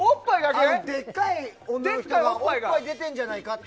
でっかい女の人がおっぱい出てるんじゃないかって。